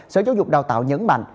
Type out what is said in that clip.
sở giáo dục đào tạo nhấn mạnh